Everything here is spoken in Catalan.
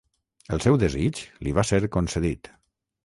El seu desig li va ser concedit.